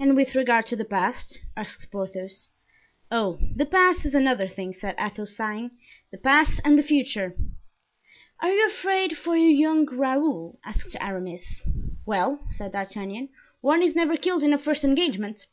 "And with regard to the past?" asked Porthos. "Oh! the past is another thing," said Athos, sighing; "the past and the future." "Are you afraid for your young Raoul?" asked Aramis. "Well," said D'Artagnan, "one is never killed in a first engagement."